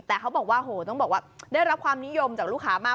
แต่เขาบอกว่าโหต้องบอกว่าได้รับความนิยมจากลูกค้ามาก